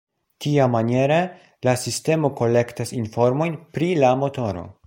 Tiamaniere la sistemo kolektas informojn pri la motoro.